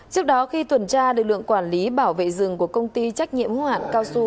trước đó khi tuần tra lực lượng quản lý bảo vệ rừng của công ty trách nhiệm hữu hạn cao su